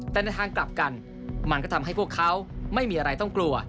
แต่ในทางกลับกันมันก็ทำให้พวกเขาไม่มีอะไรต้องกลัว